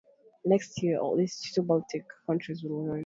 Next year, at least two Baltic countries will join.